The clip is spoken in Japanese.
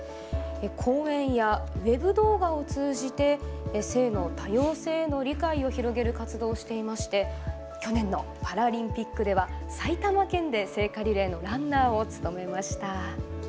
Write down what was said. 講演やウェブ動画を通じて性の多様性への理解を広げる活動をしていまして去年のパラリンピックでは埼玉県で聖火リレーのランナーを務めました。